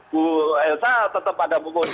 bu elsa tetap ada posisi